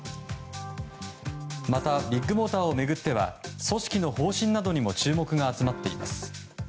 また、ビッグモーターを巡っては組織の方針などにも注目が集まっています。